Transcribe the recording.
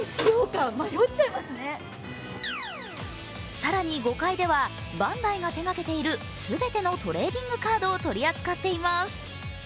更に、５階ではバンダイが手がけている全てのトレーディングカードを取り扱っています。